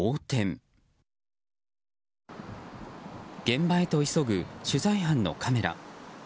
現場へと急ぐ取材班のカメラ。